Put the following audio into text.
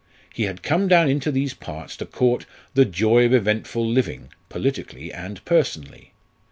He had come down into these parts to court "the joy of eventful living" politically and personally.